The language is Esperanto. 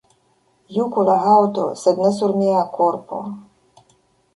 Juku la haŭto, sed ne sur mia korpo.